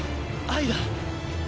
愛だ。